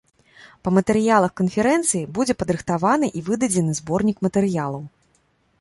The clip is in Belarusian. Па матэрыялах канферэнцыі будзе падрыхтаваны і выдадзены зборнік матэрыялаў.